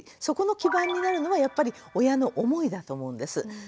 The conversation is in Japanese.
そこの基盤になるのはやっぱり親の思いだと思うんです。